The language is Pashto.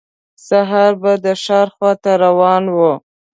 سهار به د ښار خواته روان و.